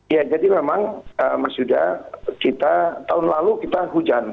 ya jadi memang mas yuda kita tahun lalu kita hujan